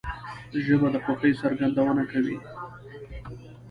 ژبه د خوښۍ څرګندونه کوي